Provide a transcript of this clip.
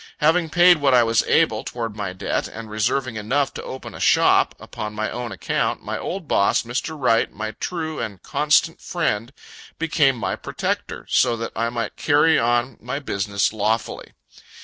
Having paid what I was able, toward my debt, and reserving enough to open a shop, upon my own account, my old boss, Mr. Wright, my true and constant friend, became my protector, so that I might carry on my business lawfully.